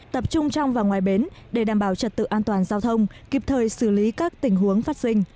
tập trung trong và ngoài bến để đảm bảo trật tự an toàn giao thông kịp thời xử lý các tình huống phát sinh